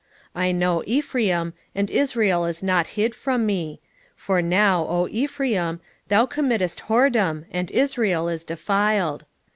5:3 I know Ephraim, and Israel is not hid from me: for now, O Ephraim, thou committest whoredom, and Israel is defiled.